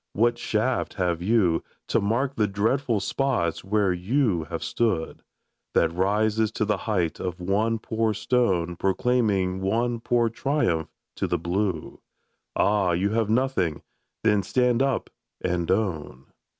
What shaft have you, To mark the dreadful spots where you have stood, That rises to the height of one poor stone Proclaiming one poor triumph to the blue ? Ah, you have nothing! Then stand up and own!